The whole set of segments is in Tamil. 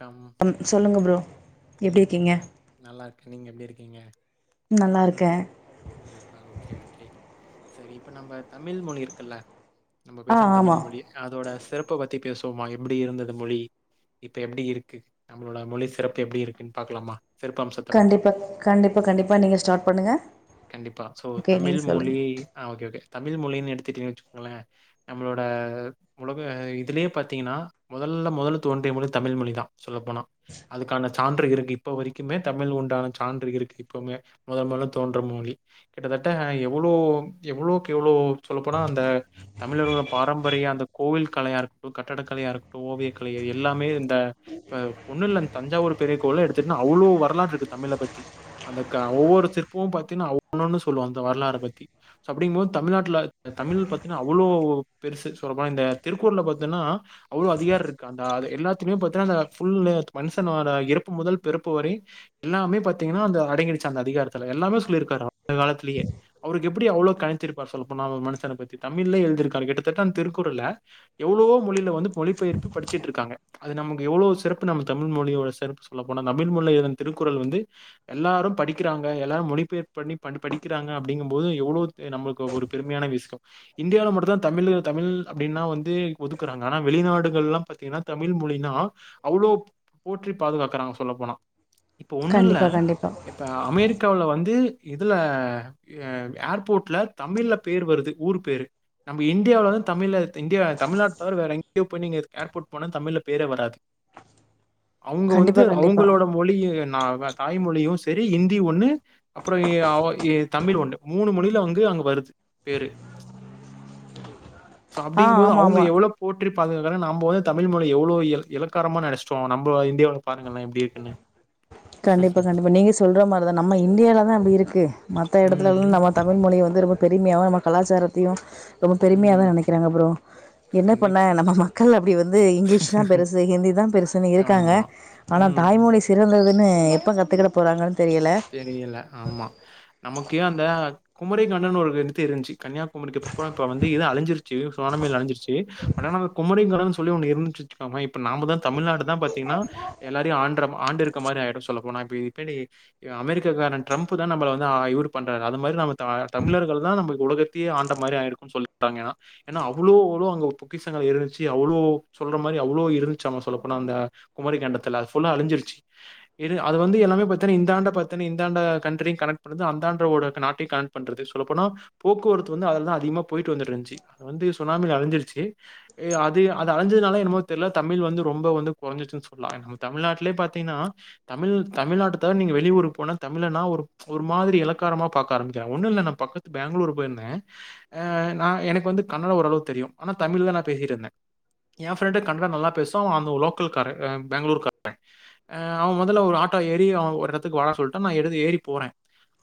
கம் ம் சொல்லுங்க ப்ரோ எப்டி இருக்கீங்க நல்லாருக்கே நீங்க எப்டி இருக்கீங்க நல்லா இருக்கே ம் அ ஓகே ஓகே சரி இப்ப நம்ம தமிழ் மொழி இருக்குல்ல நம்ம ஆ பேசுற ஆமா தமிழ் மொழி அதோட சிறப்ப பத்தி பேசுவோமா எப்டி இருந்தது மொழி இப்ப எப்டி இருக்கு நம்மளோட மொழி சிறப்பு எப்டி இருக்குன் பாக்கலாமா சிறப்பம்சத்த பத்தி. கண்டிப்பா கண்டிப்பா கண்டிப்பா நீங்க ஸ்டார்ட் பண்ணுங்க கண்டிப்பா. சோ ஓகே தமிழ் நீங்க மொழி சொல்லுங்க ஆ ஓகே ஓகே தமிழ் மொழின் எடுத்துட்டீங்கன் வச்சுக்கோங்களே நம்மளோட உலக இதுலயே பாத்தீங்கன்னா முதல்ல முதல்ல தோன்றிய மொழி தமிழ் மொழி தா சொல்ல போனா அதுக்கான சான்று இருக்கு இப்ப வரைக்குமே தமிழ் உண்டான சான்று இருக்கு இப்பமே முதல் முதல்ல தோன்ற மொழி கிட்டத்தட்ட எவளோ எவ்வளோக்கு எவளோ சொல்லப்போனா அந்த தமிழர்களோட பாரம்பரிய அந்த கோவில் கலையா இருக்கட்டு கட்டடக்கலையா இருக்கட்டு ஓவிய கலைக எல்லாமே இந் த இப்ப ஒண்ணு இல்ல இந் தஞ்சாவூர் பெரிய கோவில எடுத்துட்ன்னா அவ்ளோ வரலாற்று இருக்கு தமிழ பத்தி அந்த க ஒவ்வோரு சிற்பமு பாத்தீன்னா அவ் ஒன்னொன்னு சொல்லு அந்த வரலாற பத்தி ச அப்டிங்கும்போது தமிழ்நாட்ல தமிழ் பாத்தீங்கன்னா அவ்ளோ பெருசு சொல்லப்போனா இந்த திருக்குறள பாத்தீன்னா அவ்ளோ அதிகாரோ இருக்கு அந்தா எல்லா துலயுமே பாத்தன்னா அந்த ஃபுல்லு மனுஷனோற இறப்பு முதல் பிறப்பு வரை எல்லாமே பாத்தீங்கன்னா அந்த அடங்கிடுச்சு அந்த அதிகாரத்துல எல்லாமே சொல்லிருக்காரு அந்த காலத்துலயே அவருக்கு எப்டி அவ்ளோ கணிச்சிருப்பாரு சொல்லப்போனா ஒரு மனுஷன பத்தி தமிழ்லயே எழுதிருக்காரு கிட்டத்தட்ட அந்த திருக்குறள எவ்ளோவோ மொழில வந்து மொழிப்பெயர்ப்பு படுச்சுட்ருக்கங்க அது நமக்கு எவ்ளோ சிறப்பு நம்ம தமிழ் மொழியோட சிறப்பு சொல்ல போனா தமிழ் மொழில இருந் திருக்குறள் வந்து எல்லாரு படிக்கிறாங்க எல்லாரு மொழிபெயர்ப்பு பண்ணி பண்ணி படிக்கிறாங்க அப்டிங்கும் போது எவ்ளோ து நம்மளுக்கு ஒரு பெருமையான விஷ்யோ இன்டியால மட்டுந்தா தமிழு தமிழ் அப்டின்னா வந்து ஒதுக்குறாங்க ஆனா வெளிநாடுகள்லா பாத்தீங்கன்னா தமிழ் மொழினா அவ்ளோ போற்றி பாதுகாக்கறாங்க சொல்ல போனா இப்ப ஒண்ணு இல்ல கண்டிப்பா கண்டிப்பா இப்ப அமெரிக்காவ்ல வந்து இதுல ஏ ஏர்போட்ல தமிழ்ல பேர் வருது ஊர் பேரு நம்ம இன்டியால வந்து தமிழ் இன்டியா தமிழ்நாடு தவிர வேற எங்கயு போய நீங்க ஏர்போட் போன தமிழ்ல பேரே வராது அவுங்க வந்து கண்டிப்பா கண்டிப்பா அவுங்களோட மொழிய ந தாய்மொழியு செரி இந்தி ஒண்ணு அப்பறோ ஏ ஒ எ தமிழ் ஒண்ணு மூணு மொழில அங்கு அங்கு வருது பேரு சோ ஆ அப்டிங்கம்போது ஆமா அவுங்க ஆமா எவ்ளோ போற்றி பாதுகாக்கறாங்க நம்ம வந்து தமிழ் மொழி எவ்ளோ எ இலக்காரமா நெனஸ்டோ நம்ம இன்டியாவுல பாருங்கலே எப்டி இருக்குன்னு கண்டிப்பா கண்டிப்பா நீங்க சொல்ற மாத்ரிதா நம்ம இந்டியால தா அப்டி இருக்கு மத்த எடத்துலல் ம் நமக் தமிழ் மொழிய வந்து ரொம்ப பெரிம்மியாவு நம்ம கலாச்சாரத்தையும் ரொம்ப பெரும்யா ம் தா நெனக்கிறங் அப்புறோ என்ன பண்ண கண்டிப்பா நம்ம மக்கள் அபபடி வந்து இங்லீஷ்னா பெருசு ஹிந்தி தா பெருசுன்னு இருக்காங்க ஆமா ஆனா ம் தாய்மொழி சிறந்ததுன்னு எப்ப கத்துக்கிட போறாங்கன்னு தெரியல தெரியல ஆமா நமக்கே அந்த குமரி கண்ணன்னு ஒர் எடுத்தி இருந்ச்சி கன்யாகுமரிக்கு பப்புறப்பா வந்து இது அழஞ்சிருச்சி சோணாம்மெல் அழிஞ்சிருச்சி ப நம குமரி கடன் சொல்லி ஒன்னு இருந்துச்சுச்சுச்சுக்கோங்கய் இப்ப நாம்முதா தமிழ்நாடு தா பாத்தீங்னா எல்லாரியு ஆண்ட்ரம் ஆண்டு இருக்க மாரி ஆய்டு சொல்ல போனா இப்பி இப்பிடி அமெரிக்காரெ ட்ரம்ப்பு தா நம்பள வந்து ஆ இவ்ரு பண்றாங்க அது மாரி நாம தாய தம்ழர்கள் தா நம்பு உலகத்தே ஆன்ட மாரி ஆய்டு உ சொல் ட்டாங் யா ஏனா அவ்ளோ ஒரோ அங்க பொக்கிசங்க இருல்ச்சி அவ்ளோ சொல்ற மாரி அவ்ளோ இருல்ச்சாமா சொல்ல போனா அந்த குமரி கண்டத்துல அது ஃபுல்லா அழிஞ்சிருச்சி இது அது வந்து எல்லாமே பத்தனே இந்து ஆண்டா பாத்தினு இந்தாண்ட கண்ட்ரி கனக் பண்ணுது அந்தாண்ட ஓடட் நாட்டை கனக் பண்றது சொல்ல போனா போக்குவரத்து வந்து அதுல்தா அதிகமா போய்ட்டு வந்துட்ருந்ச்சி அது வந்து சுனாமில் அழிஞ்சிருச்சி ஏ அதென் அது அழஞ்சுனால என்னமோ தெர்ல தமிழ் வந்து ரொம்ப வந்து குறஞ்சுச்சுன் சொல்லா எனம் ம் தமிழ்நாட்லே பாத்தீன்னா தமிழ் தமிழ்நாட்டுத்தா நீங்க வெளியூரு போன தமிழனா ஒரு ஒரு மாதிரி இலக்காரமா பாக்க ஆரம்பிக்கிறாங் ஒன்னு இல்ல நா பக்கத்து பேங்களூர் பொய்ர்நே ஆ நா எனக் வந்து கன்னடா ஓரளவ் தெரியு ஆனா தமிழ் தா நா பேசிட்ருந்நே யா ஃப்ரெண்டு கன்னடா நல்லா பேசுவா அவ் அந்த லோக்கல் காரே அ பேங்ளூர் கா ரே ஆ அவ் வது லவ் ஒர் ஆட்டோ ஏறி அவவ் ஒர்ரெத்துக் வாரா சொல்ட்டு நா எடுதி ஏறி போறே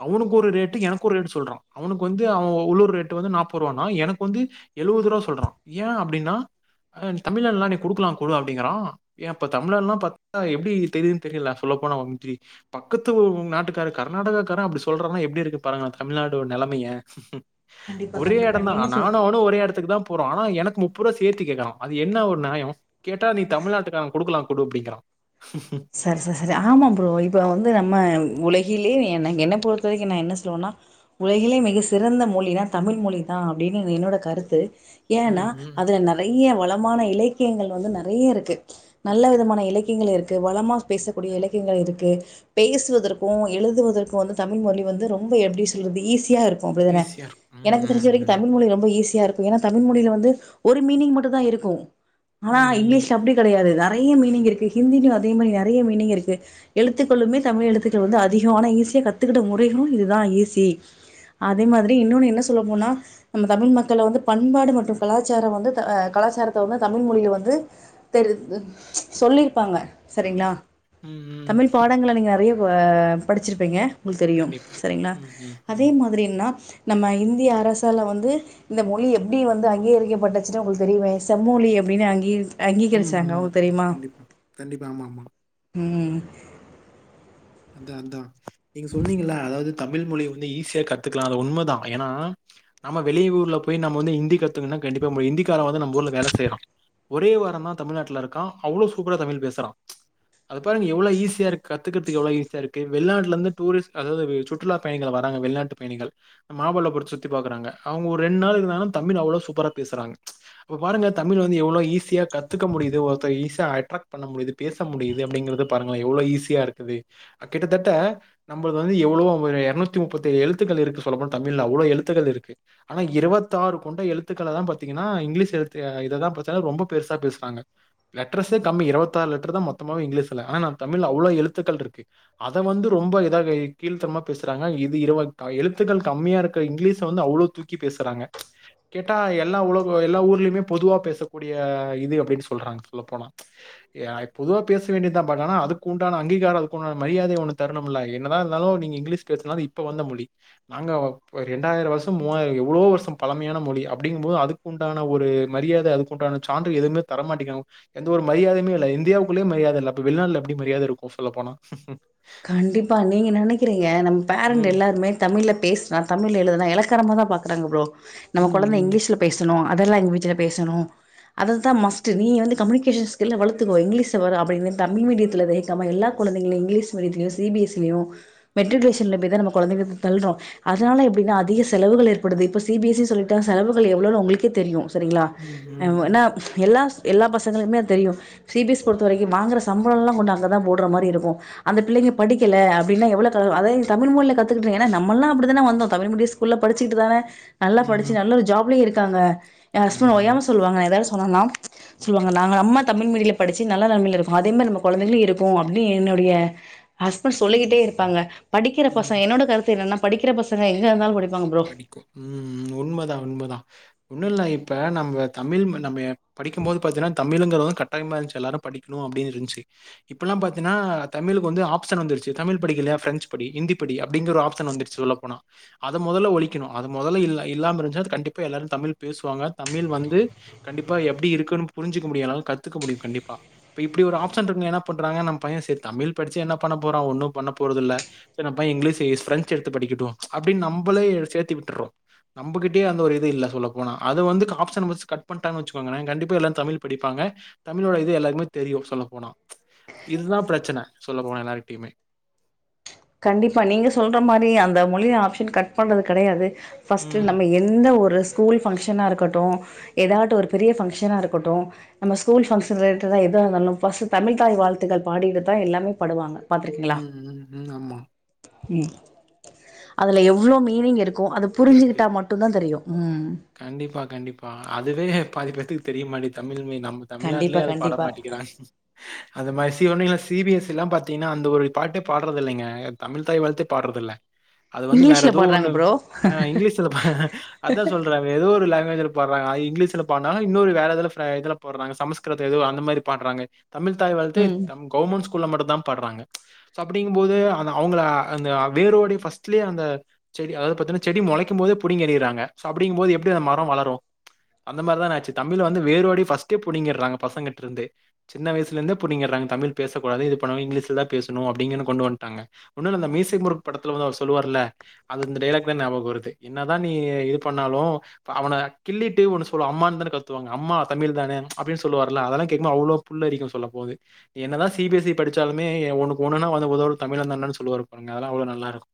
அவ்னுக் ஒரு ரேட்டு எனக் ஒர் ரேட்டு சொல்றா அவ்னுக் வந்து அவ ஓ உள்ளூர் ரேட்டு வந்து நாப்ப ருவானா எனக் வந்து எழுவது ரூபா சொல்றா ஏ அப்டின்னா தமிழன்லா நீ குடுக்லான் கோல் அப்டிங்கறா ஏன்ப்பா தமிழர்லா பாத் ஆ எப்டி தெரியுன் தெரிலா சொல்ல போனா வம்ட்டி பக்கத் த்துவும் நாட்டுக்காரு கர்நாடகாக்கார அப்டி சொல்றாங்னா எப்டி இருக்கு பாடுங்ல தம்ழாடோ நெலமைய கண்டிப்பா ஒரே கண்டிப்பா எடன் தா நீங்க சொல் நானு அவ்னு ஒரே எடத்துக்கு தாம்ப் போறோ ஆனா எனக் முப்புறோ சேத்தி கேக்குறா அது என்ன ஒர் நாயோ கேட்டா நீ தமிழ்நாட்டுகாரன் குடுக்குலா குடு அப்டிங்குறா சர் சர் சரி ஆமாம் ப்ரோ இப்போ வந்து நம்மன் உலகிலே என்னக் என்ன பொறுத்தவரைக்கி நா என்ன சொனுனா உலகிலே மிக சிறந்த மொழின்னா தமிழ் மொழி தா அப்டின்னு என்னோட கருத்து ஏன்னா ம், ம். அதுல நறைய வளமான இலக்கியங்கள் வந்து நறைய இருக்கு நல்ல இருக்கு. விதமான இலெக் தீங்கல இருக்கு வளமாஹ் பேசக்கூடிய இலக்கியங்கள் இருக்கு பேசுவதற்கு எழுதுவதற்கு வந்து தமிழ் மொழி வந்து ரொம்ப எப்டி சொல்றது ஈஸியார் ஒப்டிதான ஈஸியா இருக்கும். ம், எனக்கு தெரிஞ்சு ம், வரைக்கி ம். தமிழ் மொழி ரொம்ப ஈஸியாரு ஏன்னா தமிழ் மொழில வந்து ஒரு மீனிங் மட்டு தா இருக்கு ஹானா ம், ம். இங்லீஷ் தப்டி கெடையாது நறையா மீனிங் இருக்கு ஹிந்திலு அதே மாறி நறையா மீனிங் இருக்கு எழுத்துக்களுமே தமிழ் எழுத்துக்கள் வந்து அதிஹோ ஆனா ஈஸியா கத்துக்குட்ட முறைஹு இதுதா ஈஸி அதே மாதிரி இன்னொன்னு என்ன சொல்ல போனா நம் தமிழ் மக்கள வந்து பண்பாடு மற்றும் கலாச்சார வந்து த அ கலாச்சாரத்த வந்து தமிழ் மொழியில வந்து தெரி து சொல்லிர்ப்பாங்க சரிங்ளா ம், ம். தமிழ் பாடங்கள நீங் நறைவ்வ படிச்சிருப்பீங்க உங்குள் தெரியும் கண்டிப்பா. சரிங்ளா ம், ம், அதே ம். மாதிரினா நம்ம இந்திய அரசால வந்து இந்த மொழி எப்டி வந்து அங்கீகரிக்கப்பட்டுச்சுட்டு உங்கள் தெரியுமே செம்மொழி அப்டின்னே அங்கீர் ம், ம். அங்கீகரிச்சாங்க உங்குள் தெரியுமா கண்டிப்பா. கண்டிப்பா ஆமா ஆமா ம் அதா அதா நீங்க சொன்னீங்கல்ல அதாவது தமிழ் மொழி வந்து ஈஸியா கத்துக்கலா அது உண்ம தா ஏனா நம்ம வெளிஊர்ல போய் நம்ம வந்து இந்தி கத்துக்கன்னா கண்டிப்பா முடி இந்திக்கார வந்து நம் ஊர்ல வேல செய்ரா ஒரே வாரோந் தா தமிழ்நாட்டுல இருக்கா அவ்ளோ சூப்பரா தமிழ் பேசுறா அது பாருங்க எவ்ளோ ஈஸியா இருக் கத்துகுது கத்துக்க எவ்ளோ ஈசியா இருக்கு வெளிநாட்ல இருந்து டூரிஸ்ட் அதாவது சுற்றுலாப் பயணிகள் வராங்க வெளிநாட்டு பயணிகள் மாமபல்லபுரத்த சுத்தி பாக்குறாங்க அவங்க ஒரு ரெண் நாள் இருந்தாங்கன்ன தமிழ் அவ்ளோ சூப்பரா பேசுறாங்க அப்ப பாருங்க தமிழ் வந்து எவ்ளோ ஈசியா கத்துக்க முடியுது ஒருத்த ஈஸியா அட்ராக்ட் பண்ண முடியுது பேச முடியுது அப்டிங்கறது பாருங்கள எவ்ளோ ஈஸியா இருக்குது கிட்டத்தட்ட நம்ளுது வந்து எவ்ளோ எரநூத்தி முப்பத்தி ஏழு எழுத்துக்கள் இருக்கு சொல்ல போனா தமிழ்ல அவ்ளோ எழுத்துகள் இருக்கு ஆனா இருவத்தாறு கொண்ட எழுத்துக்கள தா பாத்தீங்கன்னா இங்லீஷ் எழுத்து இததா பாத்தீங்கன்னா ரொம்ப பெருசா பேசுறாங்க லெட்டர்ஸே கம்மி இருபத்தாறு லெட்டர் தா மொத்தமாவே இங்கிலீ்ஸ்ல ஆனா நா‌ தமிழ்ல அவ்ளோ எழுத்துக்கள் இருக்கு அத வந்து ரொம்ப இதா கீழ்த்தனமா பேசுறாங்க இது இருவ எழுத்துக்கள் கம்மியா இருக்க இங்லீஷ வந்து அவ்ளோ தூக் க்கி பேசுறாங்க கேட்டா எல்லா உலக எல்லா ஊர்லேமே பொதுவா பேசக்கூடிய இது அப்டின்னு சொல்றாங்க சொல்ல போனா ஏ பொதுவா பேச வேண்டி தா பட் ஆனா அதுக்கு உண்டான அங்கீகாரம் இருக்குன்னு மரியாதை ஒன்னு தரணுமுல்ல என்னதா இருந்தாலு நீங்க இங்லீஷ் பேசுனா அது இப்ப வந்த மொழி நாங்க ரெண்டாயிரோ வருஷோ மூவாயி எவ்ளோ வருஷோ பழமையான மொழி அப்டிங்கும் போது அதுக் குண்டான ஒரு மரியாத அதுக்குண்டான சான்று எதுமே தர மாட்டேங்காங்க எந்த ஒரு மரியாதையுமே இல்ல இந்தியாவுக்குள்ளே மரியாத இல்ல அப்ப வெளிநாட்ல எப்டி மரியாதை இருக்கு சொல்ல போனா கண்டிப்பா நீங்க நெனைக்றீங்க நம்ம பரண்ட் ம். எல்லாருமே தமிழ்ல் பேசுனா தமிழ்ல எழுதுனா எலக்காரமா தா பாக்றாங்க ப்ரோ நம்ம கொழந்த ம். ம். இங்லீஷ்ல பேசணு அதர் லங்குவேஜ்ல பேசணு அது தா மஸ்ட்டு நீ வந்து கம்யூனிகேஷன் ஸ்கில்ல வளத்துக்கோ இங்லீஷ் வரு அப்டின்னு இவ தமிழ் மீடியத்தில வைக்காம எல்லா கொழந்தைங்கள இங்லீஷ் மீடியத்திலயு சி பி எஸ் சி லயு மெட்ரிக்லேஷன்ல ப தா நம்ம கொழந்தங்கள தள்றோ அதனால எப்டின்னா அதிக செலவுகள் ஏற்படுது இப்ப சி பி எஸ் சி சொல்லிட்டா செலவுகள் எவ்ளோனு ஒங்ளுக்கே தெரியு சரிங்ளா ம். அ ம். என்ன ம். எல்லாஸ் எல்லா பசங்களுமே அது தெரியு சி பி எஸ் பொறுத்த வரைக்கு வாங்குற சம்பளோல்லா கொண்டு அங்கதா போடுற மாரி இருக்கு அந்த பிள்ளைங்க படிக்கல அப்டினா எவ்ளோ க அத தமிழ் மொழில கத்துக்கிட்டு ஏனா நம்மல்லா அப்டிதான வந்தோ தமிழ் மீடிய ஸ் ஸ்கூல்ல படிச்சிட்டு தான நல்லா ம். படிச்சு ம் நல்ல ஒரு ஜாப்லயு இருக்காங்க எ ஆமா, ஹஸ்பண்ட் ஆமா. ஓயாம சொல்வாங்க எதாது சொன்னனா சொல்லுவாங்க நாங்க நம்ம தமிழ் மீடில படிச்சு நல்ல நெலமையில இருக்கோ அதேமாரி நம்ம கொழந்தைகளு இருக்கு அப்டினு என்னுடைய ஹஸ்பண்ட் சொல்லிக்கிட்டே இருப்பாங்க படிக்கிற ம். பசங்க என்னோட கருத்து என்னன்னா படிக்கிற பசங்க எங்க இருந்தாலு படிப் படிக்கு ம் உண்மதா உண்மதா ஒன்னுல்ல இப்ப நம்ம தமிழ் நம்ம படிக்குபோது பாத்தீன்னா தமிழ்ங்கற வந்து கட் டாயமா இருந்ச்சி எல்லாரு படிக்ணு அப்டினு இருந்ச்சு இப்பெல்லா பாத்தீன்னா தமிழுக்கு வந்து ஆப்ஷன் வந்துருச்சு தமிழ் படிக்கல்லயா பிரெஞச் படி ஹிந்தி படி அப்டிங்ற ஒரு ஆப்ஷன் வந்துரு சொல்ல போனா அந் அத மொதல்ல ஒழிக்கணு அது மொதல்ல இல்ல இல்லாம இருஞ்ச்னா கண்டிப்பா எல்லாரு தமிழ் பேசுவாங்க தமிழ் வந்து கண்டிப்பா எப்டி இருக்குன் புரிஞ்சிக்க முடியலனாலு கத்துக்க முடியு கண்டிப்பா இப்ப இப்டி ஒரு ஆப்ஷன் இருக்குன்னு என்ன பண்றாங்க நம்ம பைய சரி தமிழ் படிச்சு என்ன பண்ண போறோ ஒன்னு பண்ண போறதுல்ல சரி நம்ம பைய இங்லீஷ் பிரெஞ்சு எடுத்து படிக்கிட்டு அப்டின்னு நம்ப்ளே சேத்தி விட்டுறோ நம்மகிட்டேயே அந்த ஒரு இது இல்ல சொல்ல போனா அத வந்து ஆப்ஷன் வைஸ் கட் பண்ட்டாங்க வச்சுோங்கள கண்டிப்பா எல்லாரு தமிழ் படிப்பாங்க தமிழோட இது எல்லாருக்குமே தெரியு சொல்ல போனா இதுதா பிரச்சன சொல்ல போன எல்லார்ட்டயுமே கண்டிப்பா நீங்க சொல்ற மாரி அந்த மொழிய ஆப்ஷன் கட் பண்றது கெடையாது ஃபர்ஸ்ட்டு ம். நம்ம எந்த ஒரு ஸ்கூல் ஃபங்க்ஷனா இருக்கட்டு எதாட்டு ஒரு பெரிய ஃபங்க்ஷனா இருக்கட்டு நம்ம ஸ்கூல் பங்க்ஷன் ரிலேட்டடா எது இருந்தாலு ஃபஸ்ட்டு தமிழ் தாய் வாழ்த்துக்கள் பாடிட்டுதா எல்லாமே பாடுவாங்க பாத்துருக்கீங்களா ம் ம் ம் ஆமா ம் அதுல எவ்ளோ மீனிங் இருக்கு அது இருக்கு. புரிஞ்சிகிட்டா மட் ட்டுதா தெரியு ம் கண்டிப்பா கண்டிப்பா அதுவே பாதிப்பேத்துக்கு தெரியமாட்டி தமிழ்மே நம் கண்டிப்பா தமிழ்நாட்லேயே அத பாட கண்டிப்பா மாட்டிக்கிறாங் அந்த மாரி சி ஒன்னு இல்ல சி பி எஸ் சி பாத்தீங்னா அந்த ஒரு பாட்டே பாட்றதில்லைங்க தமிழ்த் தாய்வாழ்த்தே பாட்றதில்ல அது வந்து வேற இங்கிலீஷ்ல ஏதோ பாடுறாங்க ஒண்ணு ப்ரோ அ இங்கிலீஷ்ல ப அதா சொல்றா ஏதோ ஒரு லாங்குவேஜ்ல பாட்றாங்க இங்கிலீஷ்ல பாட்னாலு இன்னொரு வேறேதோல ஃப்ரீ இதுல பாட்றாங்க சமஸ்க் கிருது எதோ அந்த மாரி பாட்றாங்க தமிழ் தாய் வாழ்த்தே ம் தம் கவுர்மெண்ட் ஸ்கூல்ல மட்டுந்தா பாட்றாங்க சோ அப்டிங்கு போது அந்த அவுங்கள அந்த வேரோடே ஃபஸ்ட்லே அந்த செடி அதாது பாத்தீனா செடி மொளைக்குபோதே புடிங்கி எறியிறாங்க சோ அப்டிங்கபோது எப்டி அந்த மரோ வளரு அந்த மாரி தான ஆச்சு தமிழ வந்து வேரோடே ஃபஸ்ட்டே புடுங்கிடறாங்க பசங்கிட்டர்ந்தே சின்ன வயசுலர்ந்தே புடிங்றாங்க தமிழ் பேசக்கூடாது இது பண்ணணு இங்கிலீஷல தா பேசணு அப்டிங்கனு கொண்டு வட்டாங்க ஒன்னு இல்ல அந்த மீசைய முருக் படத்துல வந்து அவரு சொல்லுவார்ல்ல அது இந்த டயலாக் தா ஞாபக வருது என்னதா நீ இது பண்ணாலு இப்ப அவன கிள்ளிட்டு ஒன்னு சொல்ல அம்மான்னு தான கத்துவாங்க அம்மா தமிழ் தான அப்டின்னு சொல்லுவார்ல அதல்லா கேக்குபோது அவ்ளோ புல்லரிக்கு சொல்ல போது என்னதா சி பி எஸ் சி படிச்சாலுமே எ ஒன்னுக்கு ஒண்ணுன்னா வந்து உதவுறது தமிழந்தான்டானு சொல்லுவாரு பாருங்க அதெல்லா அவ்ளோ நல்லாருக்கு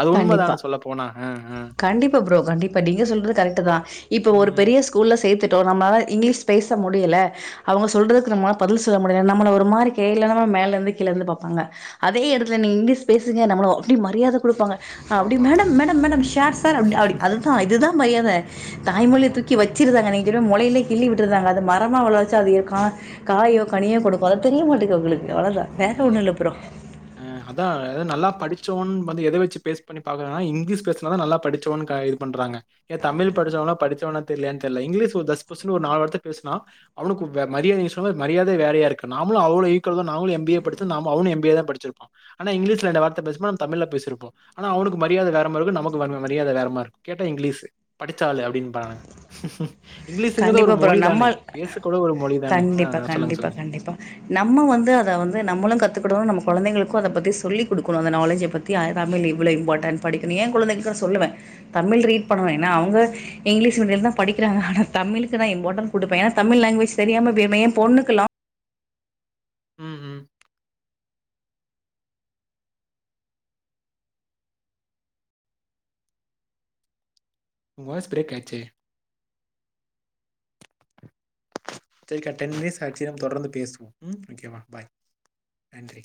அது கண்டிப்பா உண்மதான சொல்ல போனா அ அ கண்டிப்பா ப்ரோ கண்டிப்பா நீங்க சொல்றது கரெக்ட் தா இப்ப ஒரு ம். பெரிய ஸ் கூல்ல சேத்துட்டோ நம்மளால இங்கிலீஷ் பேச முடியல அவுங்க சொல்றதுக்கு நம்மளால பதில் சொல்ல முடியல நம்மள ஒரு மாரி கே லன்னமா மேல இருந்து கீழ இருந்து பாப்பாங்க அதே எடத்துல நீ இங்கிலீஷ் பேசுங்க நம்மலோ அப்டி மரியாத குடுப்பாங்க அப்டி பாப்பாங்க. மேடம் மேடம் மேடம் ஸா சார் அப் அப்டி அததா இதுதா பையாத தாய்மொழிய ஆமா, தூக்கி வச்சிருறாங்க நீ கிடு மொளைலே கிள்ளி விட்டுந்தாங்க அது மரமா வளர வச்சா அது ஏ கா காயோ கனியோ குடுக்கு அது தெரிய மாட்டேங்கு அவுகளுக்கு அவ்ளோதா வேற ஒண்ணு இல்ல ப்ரோ அ அதா அதாவது நல்லா படிச்சோ ன் வந்து எத வச்சு பேஸ் பண்ணி பாக்குறாங்னா இங்கிலீஷ் பேசுனதா நல்லா படிச்சோன் கா இது பண்றாங்க ஏன் தமிழ் படிச்சவ ல்லா படிச்சவனானு தெரிலயானு தெர்ல இங்கிலீஷ் ஒரு தஸ்புஸ்னு ஒரு நாவு வார்த்த பேசுனா அவனுக்கு வே மரியாதை நீங்க சொன்ன மாரி மரியாதயே வேறையா இருக்கு நாமளு அவ்ளோ ஈக்குவல் தானு நாங்களு எம் பி ஏ படிச்சு நம்மோ அவனு எம் பி ஏ தா படிச்சுருப்பா ஆனா இங்கிலிஷ்ல ரெண்டு வார்த்த பேசுபோது நம்ம தமிழ்ல பேசிருப்போ ஆனா அவனுக்கு மரியாத வேறமாரி ருக்கு நமக்கு வேறமாரி மரியாத வேறமா ருக்கு கேட்டா இங்கிலீஸ்சு படிச்சாலு அப்டின்னு பானுங்க இங்கிலீஷுங்கிறது ஒரு கண்டிப்பா ப்ரோ மொழி தானே நம்ம பேச கூட ஒரு மொழி தானே ஆ கண்டிப்பா ஆ சொல்லுங்க கண்டிப்பா சொல்லுங்க கண்டிப்பா நம்ம வந்து அத வந்து நம்மளு கத்துக்கிடுவோ நம்ம கொழந்தைளுக்கு அத பத்தி சொல்லி குடுக்கணு ஸ் அந்த நாலேஜ பத் கியா தமிழு இவ்ளோ இம்பார்டன் படிக்கனு ஏ குழந்தைக்களுக்கு நா சொல்லுவே தமிழ் ரீட் பண்ணுவே ஏனா அவுங்க இங்கிலீஷ் மீடியம் தா படிக்கிறாங்க ஆனா தமிழுக்கு நா இம்பார்டட் குடுப்பே ஏனா தமிழ் லாங்கேஜ் தெரியாம இப்ப ஏ பொண்ணுக்குலா ம் ம் உங்க வாய்ஸ் பிரேக் ஆயிருச்சே செரிக்கா டென் மினிட்ஸ் கழிச்சு நம்ம தொடர்ந்து பேசுவோ ம் ஓகேவா பாய் நன்றி